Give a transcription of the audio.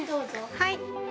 はい！